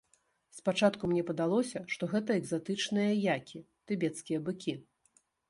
Спачатку мне падалося, што гэта экзатычныя які, тыбецкія быкі.